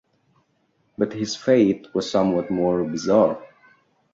But his fate was somewhat more bizarre.